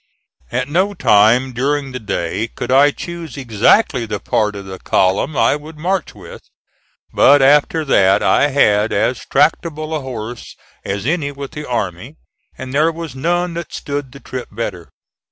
At no time during the day could I choose exactly the part of the column I would march with; but after that, I had as tractable a horse as any with the army, and there was none that stood the trip better.